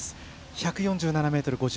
１４７ｍ５０。